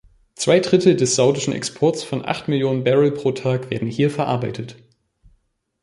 Zwei Drittel des saudischen Exports von acht Millionen Barrel pro Tag werden hier verarbeitet.